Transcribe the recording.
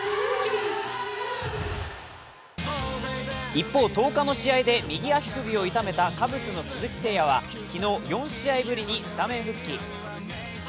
一方、１０日の試合で右足首を痛めたカブスの鈴木誠也は昨日、４試合ぶりにスタメン復帰。